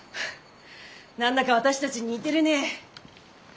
何だか私たち似てるねぇ！